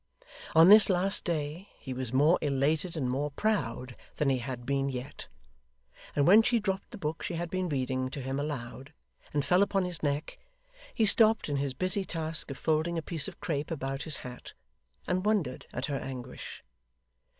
On this last day, he was more elated and more proud than he had been yet; and when she dropped the book she had been reading to him aloud, and fell upon his neck, he stopped in his busy task of folding a piece of crape about his hat, and wondered at her anguish.